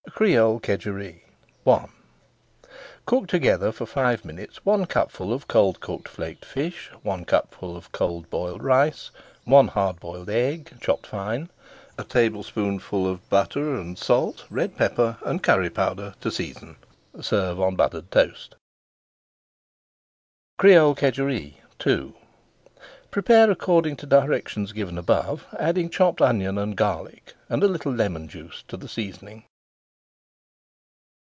CRÉOLE KEDJEREE I Cook together for five minutes one cupful of cold cooked flaked fish, one cupful of cold boiled rice, one hard boiled egg chopped fine, a tablespoonful of butter, and salt, red pepper, and curry powder to season. Serve on buttered toast. CRÉOLE KEDJEREE II Prepare according to directions given above, adding chopped onion and garlic, and a little lemon juice to the seasoning.